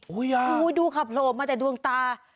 โอ้ยดูคับโหลมาแต่ดวงตา